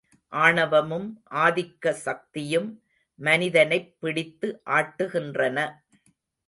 ஆணவமும், ஆதிக்க சக்தியும் மனிதனைப் பிடித்து ஆட்டுகின்றன.